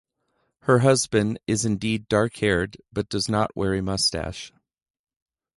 Her husband is indeed dark haired but does not wear a mustache.